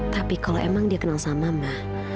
tapi kalau emang dia kenal sama mbak